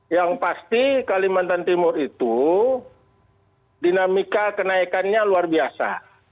yang pasti kalimantan timur itu dinamika kenaikannya luar biasa